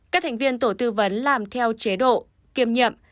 các thành viên tổ tư vấn làm theo chế độ